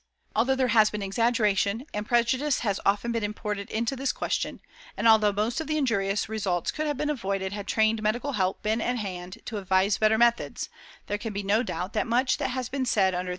Although there has been exaggeration, and prejudice has often been imported into this question, and although most of the injurious results could have been avoided had trained medical help been at hand to advise better methods, there can be no doubt that much that has been said under this head is true.